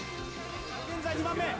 現在、２番目。